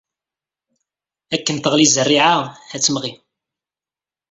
Akken teɣli zzerriɛa, ad d-temɣi.